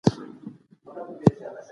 ښه تعليم ئې ورته ورکړ.